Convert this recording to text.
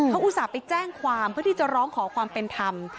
เขาอุตส่าห์ไปแจ้งความเพื่อที่จะร้องขอความเป็นธรรม